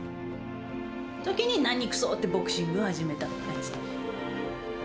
そのときに、何くそ！ってボクシングを始めたって感じで。